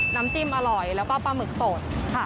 น้ำจิ้มอร่อยแล้วก็ปลาหมึกสดค่ะ